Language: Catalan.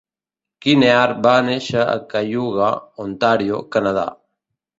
Kinnear va néixer a Cayuga, Ontario, Canadà.